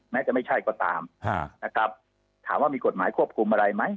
แม้จะไม่ใช่ก็ตามนะครับถามว่ามีกฎหมายควบคุมอะไรไหม